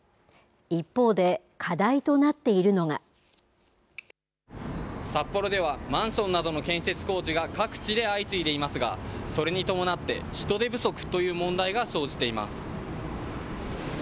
一方で、札幌では、マンションなどの建設工事が各地で相次いでいますが、それに伴って人手不足という問題が生じています。